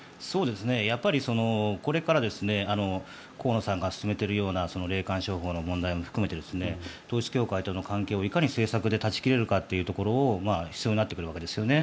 やっぱり、これから河野さんが進めているような霊感商法の問題も含めて統一教会との関係をいかに政策で断ち切れるかというところが必要になってくるわけですよね。